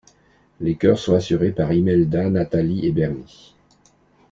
Les chœurs sont assurés par Imelda, Nathalie et Bernie.